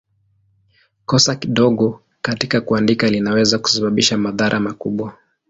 Kosa dogo katika kuandika linaweza kusababisha madhara makubwa.